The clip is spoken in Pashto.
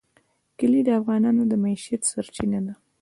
کلي د افغانانو د معیشت سرچینه ده.